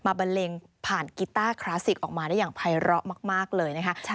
บันเลงผ่านกีต้าคลาสสิกออกมาได้อย่างภัยร้อมากเลยนะคะ